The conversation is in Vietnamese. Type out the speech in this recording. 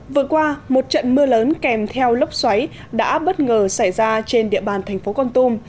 vừa qua một trận mưa lớn kèm theo lốc xoáy đã bất ngờ xảy ra trên địa bàn thành phố con tum